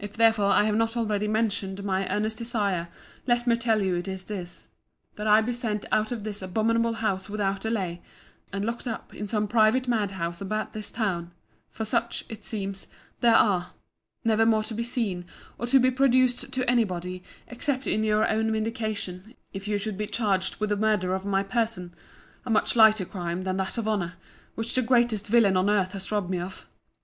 If therefore I have not already mentioned my earnest desire, let me tell you it is this: that I be sent out of this abominable house without delay, and locked up in some private mad house about this town; for such, it seems, there are; never more to be seen, or to be produced to any body, except in your own vindication, if you should be charged with the murder of my person; a much lighter crime than that of honour, which the greatest villain on earth has robbed me of.